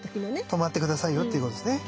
止まって下さいよっていうことですね。